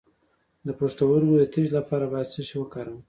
د پښتورګو د تیږې لپاره باید څه شی وکاروم؟